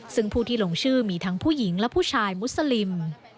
ซึ่งผู้ที่ลงชื่อมีทั้งผู้หญิงและผู้ชายมุสลิม